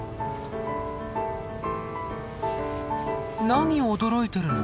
何驚いてるの？